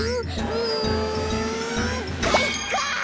うんかいか！